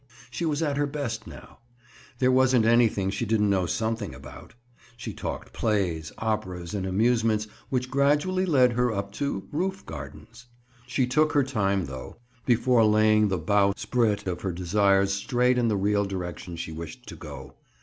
She was at her best now. There wasn't anything she didn't know something about. She talked plays, operas and amusements which gradually led her up to roof gardens. She took her time, though, before laying the bowsprit of her desires straight in the real direction she wished to go.